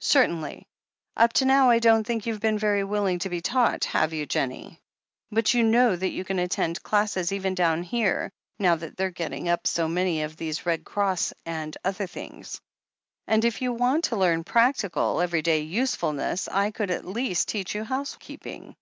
"Certainly. Up to now I don't think you've been very willing to be taught, have you, Jennie ? But you know that you can attend classes even down here, now that they're getting up so many of these Red Cross and other things; and if you want to learn practical, every day usefulness, I could at least teach you house keeping."